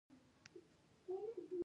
دا زما بد بخت دی چې زه یې دلته راوستی یم.